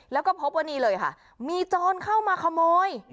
แล้วก็พบว่านี่เลยค่ะมีโจรเข้ามาขโมย